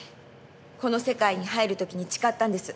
この世界に入るときに誓ったんです。